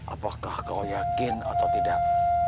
apakah kau yakin atau tidak